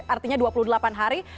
artinya dua puluh delapan hari